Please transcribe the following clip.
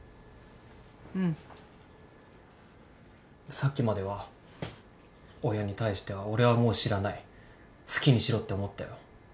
さっきまでは親に対しては俺はもう知らない好きにしろって思ったよ。